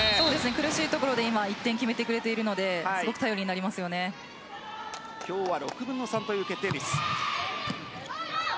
苦しいところで１点を決めてくれているので今日は６分の３の決定率。